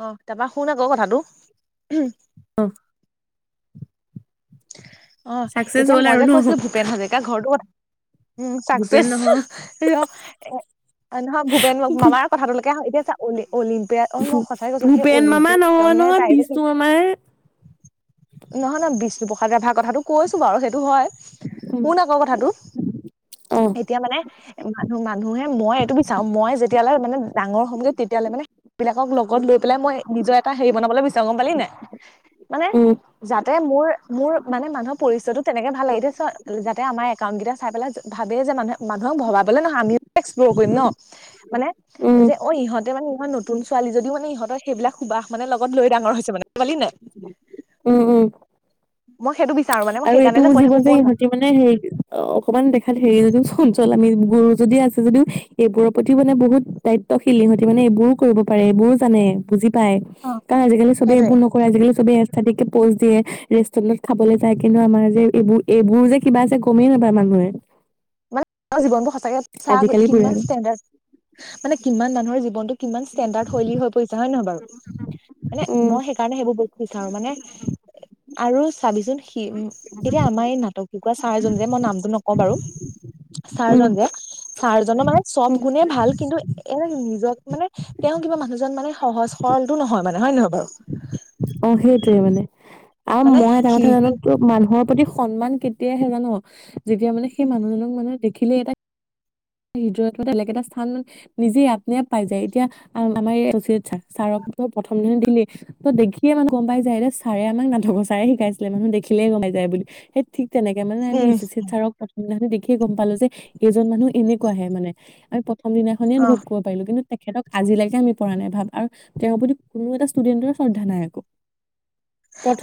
অ তাৰপা শুন আক কথাটো অ অ চাকচেচ এতিয়া হ'ল মই আৰু যে ন কৈছিলো ভূপেন হাজৰিকা ঘৰটোৰ কথা উ ভূপেন চাকচেচ নহয়। নহয় ভূপেন মামাৰ কথাটোলৈকে আহ এতিয়াল অলিম্পিয়াত অ মই সঁচাই কৈছো সেই ভূপেন মামা অলিম্পিয় নহয় নে নহয় পায় কি বিষ্ণু মামাৰ নহয় ন বিষ্ণুপ্ৰসাদ প্ৰসাদ কথাটো কৈছো বাৰু সেইটো হয় উম, শুন আক কথাটো অ', এতিয়া মানে মানুহ মানুহে মই এইটো বিচাৰো মই যেতিয়া তেতিয়ালৈ মানে ডাঙৰ হমগৈ তেতিয়ালৈ মানে বিলাকক লগত লৈ পেলাই মই নিজৰ তাৰ হেৰি বনাবলৈ বিচাৰোঁ গম পালি নে মানে উম, য যে মোৰ মোৰ মানে মানুহৰ পৰিচয়তটো তেনেকে ভাল লাগি এতিয়া যাতে আমাৰ একাউণ্ট কেইটা চাই পেলাই ভাবে যে মানুহে মানুহক ভবাবলে নহয় আমিও এক্সপ্লৰ কৰিম ন মানে উম, যে অ ইহঁতে মানে নতুন ছোৱালী যদিও মানে ইহঁৰ সেইবিলাক সুবাস মানে লগত লৈ ডাঙৰ হৈছে মানে গম পালি নাই উম উম মই সেইটো বিছ আৰু এইটো বুজিব যে ইহঁতি মানে হেৰি অকমান দেখাত হেৰি যে চঞ্চ চল আমি গুৰু যদি আছে যদিও এইবোৰৰ প্ৰতিও মানে বহুত দায়িত্বশীল সিহঁতি মানে এইবোৰো কৰিব পাৰে এইবোৰো জানে বুজি পাই অ কাৰণ আজিকালি চবে সেইটোয়ে এইবোৰ নকৰে আজিকালি চবেই এচথেটিক পষ্ট দিয়ে ৰেষ্টুৰেণ্টত খাবলৈ যা যাই কিন্তু আমাৰ যে এইবোৰ এইবোৰ যে কিবা যে গমেই নাপায় মানুহে জীৱনবোৰ সঁচাকে চা আক আজিকালি বোৰে কিমান আৰু ষ্টেণ্ডাৰ্ড মানে কিমান মানুহৰ জীৱনটো কিমান ষ্টেণ্ডাৰ্ডশৈলী হৈ পৰিছে হয় নে নহয় বাৰু মানে উম, মই সেইকাৰণে সেইবোৰ বস্ত বিচাৰো মানে আৰু চাবি চোন সি উম এতিয়া আমাৰ এই নাটক শিকোৱা ছাৰজন যে মই নামটো নকওঁ বাৰু উম, ছাৰজন উম, যে ছাৰ জন মানে চব গুণে ভাল কিন্তু এ নিজৰ মানে তেওঁ কিবা মানুহজন মানে সহজ সৰলতো নহয় মানে হয় নহয় বাৰু অ সেইটোৱে মানে আৰু মানে মই এটা কথা শিল্পী জানো ত মানুহৰ প্ৰতি সন্মান কেতিয়া আহে জান যেতিয়া মানে সেই মানুহজনক মানে দেখিলে এটা হৃদয়ত মানে বেলেগ এটা স্থান মানে নিজে আত্মীয় পাই যায়। এতিয়া আমাৰ এই উচিত ছাৰ। ছাৰক ত প্ৰথম দিন দেখিয়ে মানে গম পাই যায় এতিয়া ছাৰে আমাক নাটকৰ ছাৰে শিকাইছিলে মানুহে দেখিলেই গম পাই যায় বুলি সেই ঠিক তেনেকে মানে আমি উম এচচিয়েত ছাৰক প্ৰথম দিনা দেখি য়েই গম পালো যে এজন মানুহ এনে কুৱা হে মানে আমি প্ৰথম দিনাখনে অ অনুভৱ কৰিব পাৰিলো কিন্তু তেখেতক আজিলৈকে আমি পৰা নাই ভাব আৰু তেওঁৰ প্ৰতি কোনো এটা ষ্টুডেণ্টৰ শ্ৰদ্ধা নাই আক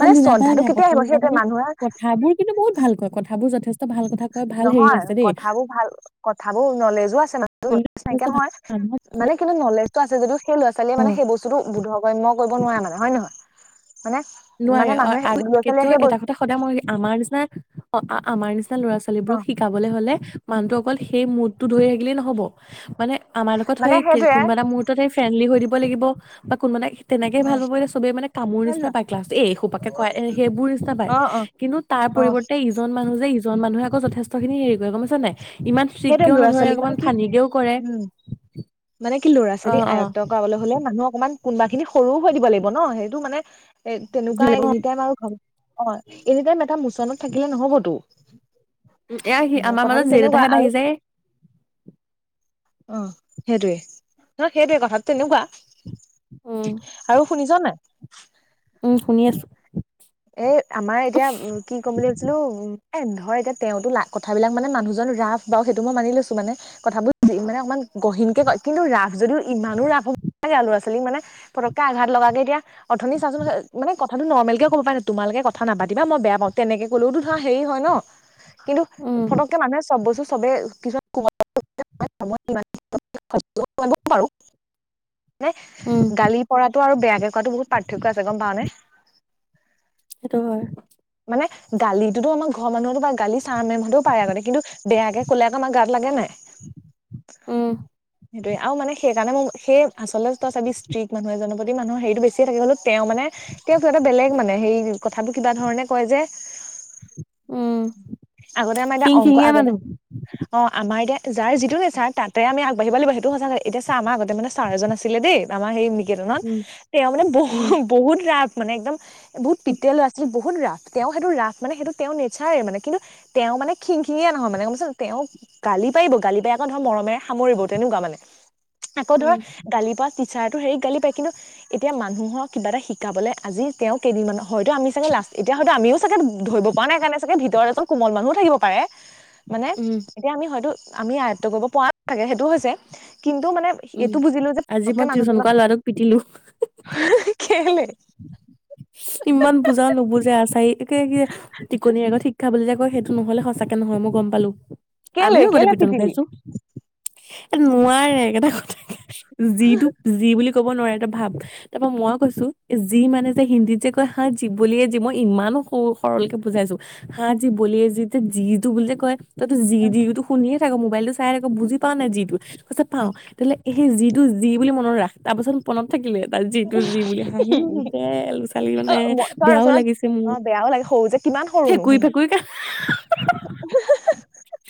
মানে দিনাৰ পৰা শ্ৰদ্ধাটো নাই কেতিয়া আহিব প্ৰথম সেইটোৱে দিনাখনি মানুহে কথাবোৰ কিন্তু বহুত ভাল কয় কথাবোৰ যথেষ্ট ভাল কথা কয় ভাল হেৰি নহয় আছে দেই কথাবোৰ ভাল কথাবোৰ নলেজো আছে মানে যথেষ্ট নাইকিয়া ভাল নহয় মানুহক- মানে কিন্তু নলেজটো আছে যদিও সেই ল'ৰা ছোৱালীয়ে অ মানে সেই বস্তুটো বোধগম্য কৰিব নোৱাৰে মানে হয় নহয় মানে মানে নোৱাৰে অ মানুহে ল'ৰা কিন্তু ছোৱালীয়ে সেই এটা বস্তু কথা সদায় মই আমাৰ নিচিনা অ আমাৰ নিচিনা এটা ল'ৰা অ ছোৱালীবোৰক শিকাবলৈ হ'লে মানুহটো অকল সেই মদটো ধৰি ৰাখিলেও নহব [unintelligible] মানে আমাৰ লগত হৈ মানে সেইটোৱে কোনোবা এটা মুহৰ্তত সেই ফ্ৰেনলী কৈ দিম লাগিব বা কোনোবাই তেনেকে ভাল পাব বলে চবে মানে কামোৰ নিচি পাক বাবে এইসোপাকে কয় সেইবোৰ নিচিনা পায় অ অ অ কিন্তু তাৰ অ পৰিৰ্তে জন মানহ যে ইজন মানুহে আকৈ যথেষ্টখিনি হেৰি কৰে গম পাইছ নাই ইমান সেইটো ষ্ট্ৰিককেও ল'ৰা নধৰে ছোৱালীক অকমান মানে কি ফানীকেও কৰে উম মানে কি লৰা অ ছোৱালীক অ আয়ত্ব কৰাবলৈ হলে মানুহ অকমান কোনোবা খিনি সৰুও হৈ দিব লাগিব ন সেইটো মানে এ তেনেকুৱা এনি টাইম আৰু অ এনি টাইম এটা মুচন থাকিলে নহ'বতো উম এয়া সি আমাৰ মনত জেদেততাহে বাঢ়িছে [unintelligible] অঁ সেইটোৱে ন সেইটোৱে কথাতো তেনেকুৱা উম আৰু শুনিছ না ই উম শুনি আছো এ আমাৰ এতিয়া কি ক'ম বুলি ভাবিছিলো উম এ ধৰ এতিয়া তেওঁতো ল কথাবিলাক মানে মানুহজন ৰাফ বাৰ সেইটো মই মানি লৈছো মানে কথাবোৰ মানে অকমান গহীনকে কয় কিন্তু ৰাফ যদি ইমানো ৰাফ হব লাগে আৰু লৰা ছালীক মানে পটককে আঘাত লগ কে এতিয়া অথনি চাচোন মানে কথাটো নৰ্মেল কে ক'ব পাৰে ন তোমালোকে কথা নাপাতিবা মই বেয়া পাওঁ তেনেকে ক'লেওতো ধৰা হেৰি হয় ন কিন্তু উম পটককে মানুহে চব বস্তু চবে কিছুমান মানে উম গালি পৰাটো আৰু বেয়াকে কোৱাটো বহুত পাৰ্থক্য আছে গম পাও নে সেইটো হয় মানে গালিটো আমাৰ মানুহৰো বা গালি চাম মেমহঁতে পাৰে আগতে কিন্তু বেয়া ক'লে আমাৰ গাত লাগে নাই উম সেইটোৱে আৰু মানে সেইকাৰণে মই সেই আচলতে ত চাবি ষ্ট্ৰিক মানুহে জনপ্ৰতি মানুহৰ হেৰিটো বেছিয়ে থাকে হ'লো তেওঁ মানে তেওঁ এটা বেলেগ মানে হেৰি কথাটোৰ কিবা ধৰণে কয় যে উম আগতে আমাৰ এতিয়া খিং অংক খিঙীয়া আগতে মানুহ অঁ আমাৰ এতিয়া যাৰ যিটো নে ছাৰ তাতে আম আগবাঢ়িব লাগিব সেইটো সঁচা এতিয়া ছাৰ এজন আগতে মানে ছাৰ এজন আছিলে দেই আমাৰ স ত উম তেওঁ মানে উম বহুত বহুত ৰাস মানে একদম বহুত পিয়ল আছিল ৰা তেওঁ সেইটো ৰাফ মানে সেইটো তেওঁৰ নেচাৰেই মানে কিন্তু তেওঁ মানে খিং খিঙিয়ে নহয় মানে গম পাইছেনে তেওঁ গালি পাৰিব গালি পাই আকৌ মৰমেৰে সামৰিব তেনেকুৱা মানে আকৌ ধৰ উম গালি পৰা চাৰো হেৰি গালি পায় কিন্তু এতিয়া মানুহক কিবা এটা শিকাবলৈ আজি তেওঁ কেইদিনমানৰ হয়তো আমি চাগে লাষ্ট তেতিয়া হয়তো আমিও চাগে ধৰিব প পৰা নাই কাৰণে চাগে ভিতৰত এজন কোমল মানুহও থাকিব পাৰে মানে উম এতিয়া আমি হয়তো আমি আয়ত্ব কৰিব পৰা ন লাগে সেইটো হৈছে কিন্তু মানে উম এইটো বুজিলো যে আজি পটকে মই টিউচন মানুহজনক কৰা ল'ৰাটোক পিটিলো হি হি হি কেলে? ইমান বুজাও নুবুজে আ চাই কি টিকনিৰ আগত শিক্ষা বুলি যে সেইটো নহলে সঁচাকে নহয় মই গম পালো কেলে আমিও আগতে কেলে পিতন পিটিলি খাইছো এ নোৱাৰে একেতা কথা যিটোক যি বুলি ক'ব নোৱাৰে এটা ভাব তাৰ পৰা মইও কৈছো যি মানে যে হিন্দীত যে কয় হা জীৱলিয়ে যি মই ইমানো স সৰলকে বুজাইছো হা জীৱলে যি যে যিটো বুল কয় ত যি উম, যি তু শুনিয়ে থাক মোবাইলতটো চাই থাক বুজি পা নাই যিটো পাওঁ উম। তেতিয়াহ'লে সেই যিটো যি বুলি মনত ৰাস তাৰ পাছত মনত থাকিলে তাত যিটো যি বুলি হাহিও ব লৰা ছোৱালী অ মানে ম তই বেয়াও ৰচনাত লাগিছে মোৰ অ বেয়াও লাগে সৰু যে কিমান সৰুনো ফেকুুৰী সিহঁত ফেকুুৰী কান্দ হাহে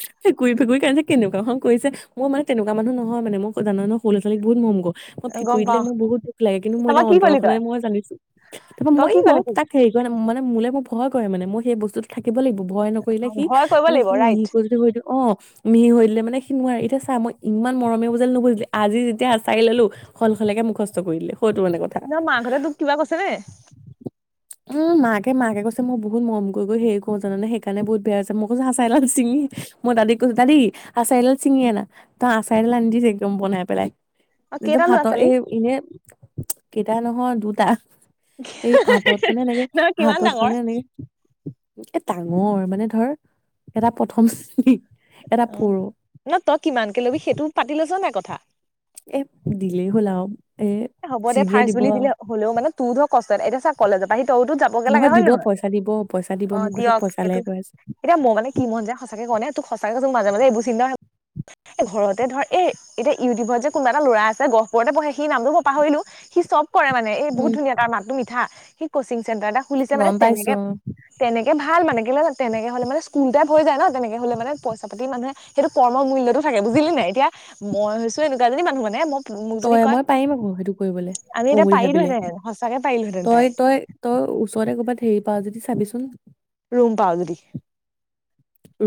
হে ফেকুুৰী ফেকুৰী কান্দি‌ থাকে। তেনেকুৱা খন কৰিছে মই মানে তেনেকুৱা মানুহ নহয় মানে মই জান ন সৰু ল'ৰা ছোৱালী বহুত মৰম মই ফেকু গম দিলে পাও মোৰ বহুত দূৰ লাগে কিন্তু মই এটা তাৰপৰা কি অন্তৰ কলি তই মই জানিছো তাৰ তই মই কি মই কলি তাক হেৰি কৰ মানে মোলে মোক ভয় কৰে মানে মই সেই বস্তুত থাকে থাকিব লাগিব ভয় নকৰিলে সি ভয় কৰিব মানে লাগিব সি ৰাইট মিহিকৈ যদি হয় দি অ মিহি হৈ দিলে মানে সি নোৱাৰে এতিয়া চা মই ইমান মৰমে বুজালে নুবুজিলে আজি যেতিয়া এচাৰি ললো সলসলকে মুখস্থ কৰি দিলে হয়টো মানে কথা ন মাকহঁতে তোক কিবা কৈছে নে? উম মাকে মাকে কৈছে মই বহুত মৰম কৰি গৈ সেয় কো জানে সেইকাৰণে বহুত বেয়া হৈছে মই কৈছো আচাৰিডাল চিঙি মই দাদী কৈছো দাদী আচাৰিডাল ছিঙি আনা তাই আচাৰিডাল আনি দিছ একদম বনাই পেলাই অ একদম কেইটা ল'ৰা হাতৰ ছোৱালী এই এনে এটা নহয় দুটা। এই হাতত মানে এনেকে, নহয় কিমান হাতত ডাঙৰ মানে এনেকে, এ', ডাঙৰ মানে ধৰ এটা প্ৰথম শ্ৰেণী। এটা অ', পৰো ন', তই কিমানকে ল'বি সেইটো পাতি লৈছ, নাই কথা? কথা, এ', দিলেই হ'ল আৰু। এ হ'ব যি দে, দিয়ে ফাৰ্ষ্ট দিব বুলি আৰু। দিলে হলেও মানে তোৰ ধৰ, কষ্টত এতিয়া চা কলেজৰ পা আহি, তৌতো যাবগে লাগে হয় দিব নহয়। পইচা দিব পইচা দিব অ', মোক কৈছে দিয়ক পইচালেহে সেইটো কৈ আছে। এতিয়া মোৰ মানে কি মন যায় সচাকে ক'নে তোক সঁচাকে ক', তোৰ মাজে- -মাজে এইবোৰ চিন্তা এ', ঘৰতে ধৰ এ', এতিয়া ইউটিউবত যে, কোনোবা এটা ল'ৰা আছে। গহপুৰতে পঢ়ে, সেই নামটো পাহৰিলোঁ সি চব, কৰে মানে এই বহুত উম, ধুনীয়া তাৰ মাতটো মিঠা। কি কৈছিল। জেগা এটা খুলিছে মানে, গম পাইছো অ', তেনেকে-তেনে ভাল মানে কেলে জানা তেনেকে হ'লে মানে স্কুল টাইপ হৈ যায় ন', তেনেকে হ'লে মানে পইচা-পাতি মানুহে সেইটো কৰ্মমূল্যতো থাকে। বুজিলি নাই এতিয়া মইছো এনেকুৱা এজনী মানুহ মানে মই মোক যদি তই কয়, মই পাৰিম সেইটো কৰিবলে আমি কওঁ এতিয়া বুলি ভাবিলে পাৰিলোহেঁতেন সঁচাকে পাৰিলোহেঁতেন পাই তই', - তই', তইও ওচৰতে কৰ'বাত হেৰি পাৱ যদি চাবিচোন। ৰুম পাৱ যদি।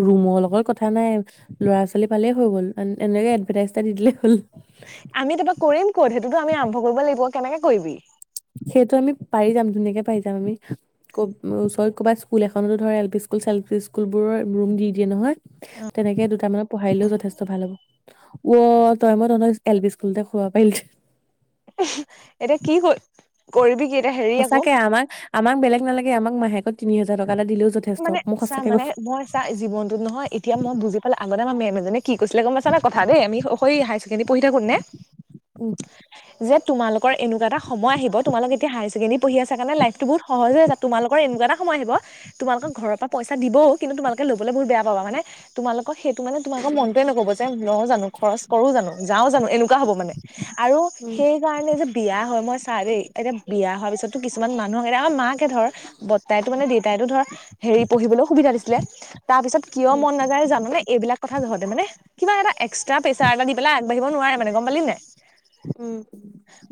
ৰুমৰ লগত কথা নাই। ল'ৰা ছোৱালী পালেই হৈ গ'ল, এনেকে এডভাৰটাইজ এটা দি দিলেই হ'ল। কিন্তু আমি আৰম্ভ কৰিব লাগিব কেনেকে কৰিবি? সেইটো আমি পাৰি যাম, ধুনীয়াকে পাৰি যাম আমি। ওচৰত ক'ৰবাত স্কুল এখনতো ধৰ এলপি স্কুল -চেলপি স্কুল বোৰৰ ৰুম দি দিয়ে নহয়। তেনেকে দুটামানত পঢ়াইলৈও যথেষ্ট ভাল হ'ব। ৱ', তই-মই তহঁতৰ এলপি স্কুলতে খুৱাব পাৰিলোহেতেন। ওহোঁ', এতিয়া কি', কৰিবি কি', এতিয়া হেৰি আকৌ সঁচাকে আমাক-আমাক বেলেগ। নালাগে, আমাক মাহেক তিনি হাজাৰ টকা। এটা দিলেও যথেষ্ট মানে মই চা', সঁচাকে মানে কৈছো মই, চা', জীৱনতোত নহয় এতিয়া, মই বুজি পালে আগতে মেম এজনীয়ে কি', কৈছিলে গম পাইছানে কথা দেই আমি, হয়', হাইছেকেন্দ্ৰী, পঢ়ি থাকো নে', উম যে, তোমালোকৰ এনেুকোৱা এটা সময় আহিব, তোমোলোক এতিয়া হায়াৰ-ছেকেনদেৰী পঢ়ি আছা কাৰনে লাইফটো বহুত সহজ হৈ আছে। তোমালোকৰ এনেকুৱা এটা সময় আহিব তোমালোকৰ ঘৰৰ পৰা পইচা দিবও কিন্তু তোমালোকে লবলৈ বহুত বেয়া পাবা, মানে তোমালকৰ সেইটো মানে তোমালকৰ মনটোৱে নক'ব যে', লও জানো, খৰচ কৰোঁ জানো, যাও জানো, এনেকোৱা হ'ব মানে। আৰু উম সেই কাৰণে যে বিয়া হয়, মই, চা', দেই এতিয়া বিয়া হোৱাৰ পিছততো কিছুমান মানুহক এয়া আমাৰ মাকে ধৰ বৰ্তাইটো মানে দেউতাইো ধৰ হেৰি পঢ়িবলৈও সুবিধা দিছিলে। উ [unintelligible] তাৰ পিছত কিয় উম মন নাযায় জানোনে এইবিলাক কথাহ। মানে কিবা এটা এক্সট্ৰা প্ৰেছাৰ এটা দি পেলাই আগবাঢ়িব নোৱাৰে মানে গম পালি নাই। উম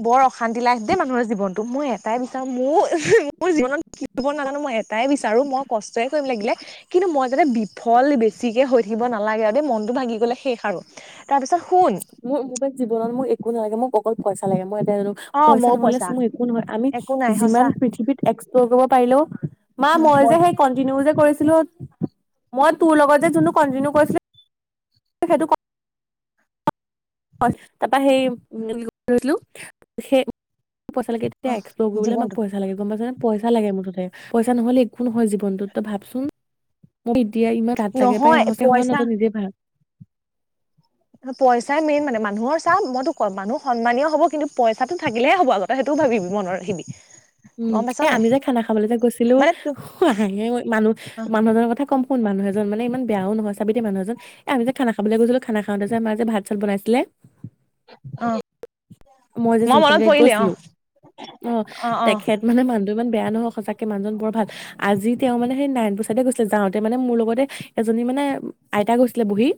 বৰ অশান্তি লাগ। মানুহৰ জীৱনটো মই এটাই বিচাৰো মোৰ উম মোৰ জীৱনতিব নাজানো মই এটাই বিচাৰো। আৰু মই কষ্টয়ে কৰিম লাগিলে কিন্তু মই যাতে বিফল বেছিকে হৈ থাকিব নালাগে আৰু মনতটো ভাগি গলে শেষ আৰু তাৰপিছত শুন মোক মো পা জীৱনত মোক একো নালাগে মোক অক অকল পইচা লাগে মই অ পইচা ময়ো নহলে চু একো নহয় আমি একো নাই যিমান সঁচা পৃথিৱীত এক্সপ্ল পাৰো মা মই অ যে সেই কন্ট যে কৰিছিলো মই তোৰ লগত যে যোনটো কন্টিনিউ কৰিছিলো সেইটো তাৰপৰা সেইো সেই ম পইচা লে তেয়া এক্প্লৰ কৰিবলে আমাক জীৱনটো পইচা লাগে গম পাইছা নে পইচা লাগে মুঠতে পইচা নহলে একো নহয় জীৱনটোত তই ভাবচোন মোক এতিয়া ইমান গত লাগে পাই নহয় সঁচা হয় নহয় পইচা তই নিজে ভাব ম পইচাই মেইন মানে মানুহৰ চাহ মইতো কম মানুহ সন্মানীয় হ'ব কিন্তু পইচাটো থাকিলে হব আগত তই সেইটোও ভাবি মনত শিবি উম এ আমি যে খানা খাবলৈ যে গৈছিলো মানে হে হাঁহি হে মানুহ অ মানুহজনৰ কথা কম কোন মানুহ এজন মানে ইমান বেয়াও নহয় চাবিতে মানুহ এজন এ আমি যে খানা খাবলৈ গৈছিলো খানা খাওঁতে যে আমাৰ যে ভাত চাত বনাইছিলে অ মই যে জোনখন মনত গাড়ীত পৰিলে অ গৈছিলো অ তেখেত মানে মান ইমান বেয়া নহও সঁচাকে মানুহজন বৰ ভাল আজি তেওঁ মানে সেই নাৰায়ণপুৰ চাইডে গৈছিলে যাওঁতে মানে মোৰ লগতে এজনী মানে আইতা গৈছিলে বহি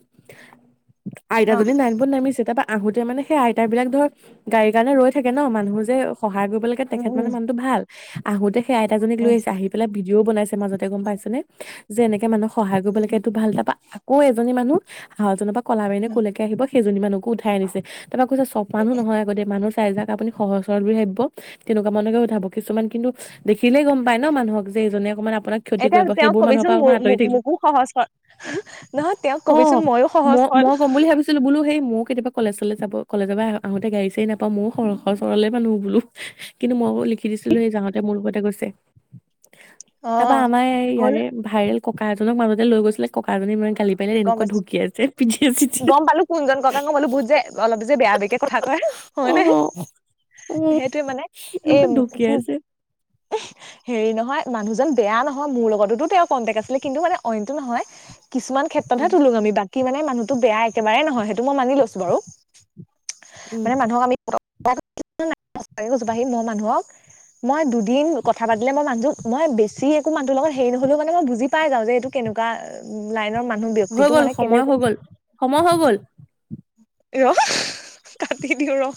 অ আইতাজনি নাইন পুত নামিছে তা পা আহোতে মানে সেই আইতা বিলাক ধৰ গাড়ীৰ কাৰণে ৰৈ থাকে ন মানুহ যে সহায় কৰিব উম সেইটো উম মানে মানুহটো ভাল আহোতে সেই আইতাজীক উম আহিছে আহি পেলাই যিও বনাইছে মাজতে গম পাইছে নে যে এনেকে মানুহ সহায় কৰিব লাগে এইটো ভাল তা পা ক এজনী মানুহ সাহজনৰ পা কলা বেনে কৌলেকে আহিব সেইজনী মানুহকো উঠাই আনিছে তা পা কৈছে চব মানুহ নহয় আগতে মানুহ চাই যাক আপুনি সহজ সৰল বুলি ভাবিব তেনেকুৱা মানুহকে উঠাব কিছুমান কিন্তু দেখিলেই গম পায় ন মানুহক যে এইজনে অকণমান এতিয়া তেওঁক কবিচোন মোৰ মোকো সহজ হ নহয় তেওঁক অ', কবিচোন ময়ো মই সহজ মই সৰল ক'ম বুলি ভাবিছিলো বোলো সেই ময়ো কেতিয়াবা কলেজলৈ যাব কলেজৰ পৰা আহোতে গাড়ী চাৰি নাপাই ময় সৰ সৰলে মানুহ বোলো কিন্তু মই লিখি দিছিলো সেই যাওঁতে মোৰ লগতে গৈছে অ তাৰপা আমাৰ হ'ল ইয়াৰে ভাইৰেল ককা এজনক মাজতে লৈ গৈছিলে ককা জনে মানে গম পাইছো গম পালো কোনজন ককা গম বোলো বহুত যে অলপ যে বেয়া বেয়া কথা কয় হয় নহয় অ', অ', সেইটোৱে মানে এই এনেকুৱা কি ঢুকীয়াইছে হেৰি নহয় মানুহজন বেয়া নহয় মোৰ লগততো তেওঁৰ কন্টেক্ট আছিলে কিন্তু মানে অইনটো নহয় কিছুমান ক্ষেত্ৰতহে উম, তোলুঙা আমি কি মানে মানুহটো বেয়া একেবাৰে নহয় সেইটো মই মানি লৈছো বাৰু উম, মানে মানুহক আমি মই মানুহক মই দিন কথা পাতিলে মই মানুহক মই বেছি একো মানুহৰ লগত হেৰি নহ'লেও মানে মই বুজি পাই যাওঁ এইটো কেনেকুৱা লাইনৰ মানুহ হৈ ব্যক্তিটো গ'ল মানে সময় কেনেকুৱা হৈ গ'ল সময় হৈ গ'ল এ ৰ কাটি দিও ৰ